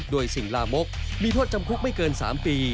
โดยสิ่งลามกมีโทษจำคุกไม่เกิน๓ปี